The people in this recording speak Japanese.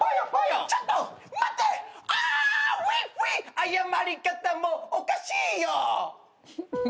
「謝り方もおかしいよ」